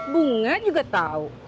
bunga juga tahu